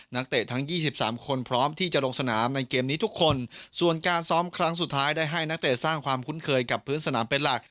เตะทั้ง๒๓คนพร้อมที่จะลงสนามในเกมนี้ทุกคนส่วนการซ้อมครั้งสุดท้ายได้ให้นักเตะสร้างความคุ้นเคยกับพื้นสนามเป็นหลัก